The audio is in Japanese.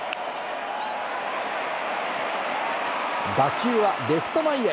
打球はレフト前へ！